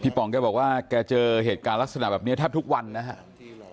ป๋องแกบอกว่าแกเจอเหตุการณ์ลักษณะแบบนี้แทบทุกวันนะครับ